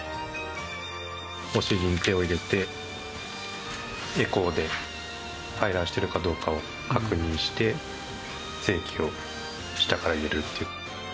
お尻に手を入れてエコーで排卵しているかどうかを確認して精液を下から入れるという。